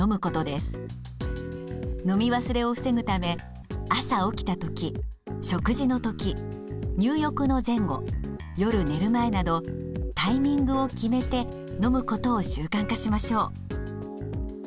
飲み忘れを防ぐため朝起きた時食事の時入浴の前後夜寝る前などタイミングを決めて飲むことを習慣化しましょう。